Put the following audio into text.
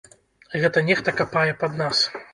Гэта нехта капае пад нас!